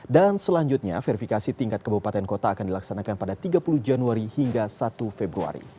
dan selanjutnya verifikasi tingkat kebupaten kota akan dilaksanakan pada tiga puluh januari hingga satu februari